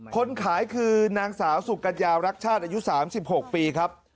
คนขายคือนางสาวสุกัญญารักชาติอายุ๓๖ปีครับ